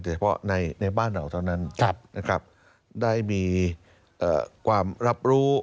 เฉพาะในบ้านเราเท่านั้นนะครับได้มีความรับรู้